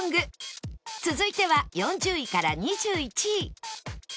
続いては４０位から２１位